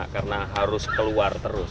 karena harus keluar terus